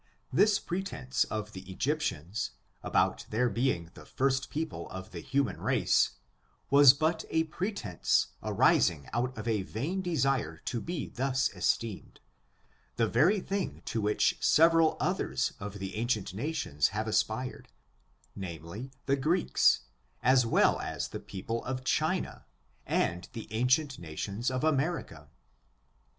This pretense of the Egyptians, about their being the first people of the human race, was but a pretense arising out of a vain desire to be thus esteemed ; the very thing to which several others of the ancient nations have aspired, namely, the Greeks, as well as the people of China and the ancient nations of America.